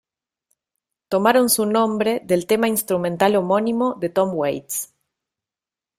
Tomaron su nombre del tema instrumental homónimo de Tom Waits.